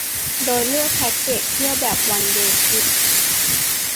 โดยเลือกแพ็กเกจเที่ยวแบบวันเดย์ทริป